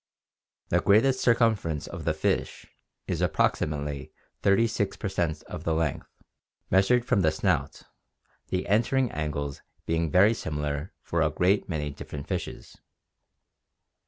The greatest circumference of the fish is approximately 36 per cent of the length, measured from the snout, the "entering angles" being very similar for a great many different fishes.